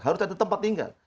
harus ada tempat tinggal